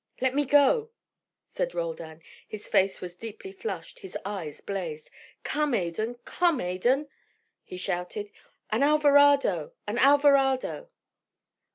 "Let me go!" said Roldan. His face was deeply flushed, his eyes blazed. "Come, Adan! come, Adan!" he shouted. "An Alvarado! an Alvarado!"